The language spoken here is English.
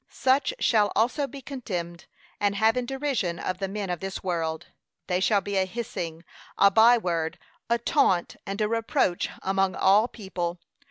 Such shall also be contemned and had in derision of the men of this world. They shall be a hissing, a bye word, a taunt, and a reproach among all people.